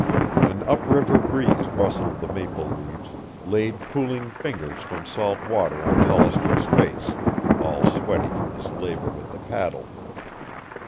An up river breeze rustled the maple leaves, laid cooling fingers from salt water on Hollister's face, all sweaty from his labor with the paddle.